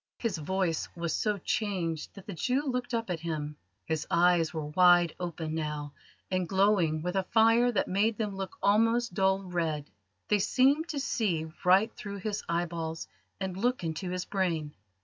His voice was so changed that the Jew looked up at him. His eyes were wide open now, and glowing with a fire that made them look almost dull red. They seemed to see right through his eyeballs and look into his brain.